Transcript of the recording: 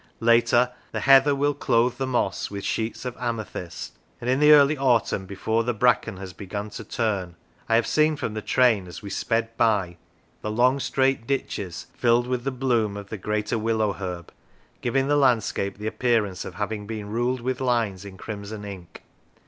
Later the heather will clothe the moss with sheets of amethyst, and in the early autumn before the bracken has begun to turn, I have seen from the train, as we sped by, the long straight ditches filled with the bloom of the greater willow herb, giving the landscape the appear ance of having been ruled with lines in crimson ink.